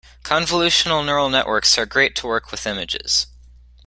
Convolutional Neural Networks are great to work with images.